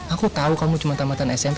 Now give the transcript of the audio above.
aku tahu kamu cuma tamatan smp